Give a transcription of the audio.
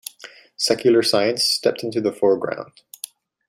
Secular science stepped into the foreground.